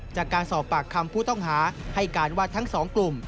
จากการสอบปากคำผู้ต้องหาให้การว่าทั้งสองกลุ่ม